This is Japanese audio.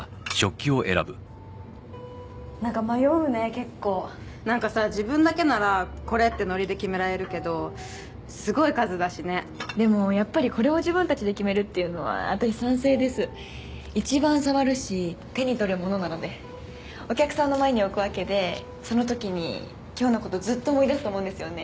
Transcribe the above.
結構なんかさ自分だけならこれってノリで決められるけどすごい数だしねでもやっぱりこれを自分たちで決めるっていうのは私賛成です一番触るし手に取るものなのでお客さんの前に置くわけでそのときに今日のことずっと思い出すと思うんですよね